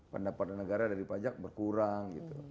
pendapatan negara dari pajak berkurang gitu